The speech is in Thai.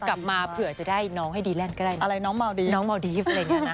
กลับมาเผื่อจะได้น้องให้ดีแรงก็ได้อะไรน้องเมาดีฟ